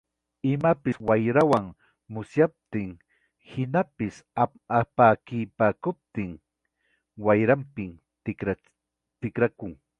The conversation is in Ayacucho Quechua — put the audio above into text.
Imapas wayrawan musyaptin hinaspa akakipakuptin, wayrapim tikrakun.